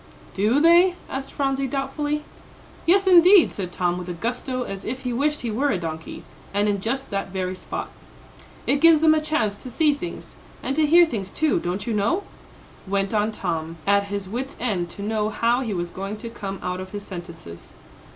"Do they?" asked Phronsie, doubtfully. "Yes, indeed," said Tom, with a gusto, as if he wished he were a donkey, and in just that very spot, "it gives them a chance to see things, and to hear things, too, don't you know?" went on Tom, at his wits' end to know how he was going to come out of his sentences.